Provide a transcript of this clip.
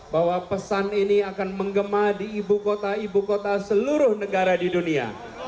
bahwa pesan ini akan menggema di ibu kota ibu kota seluruh negara di dunia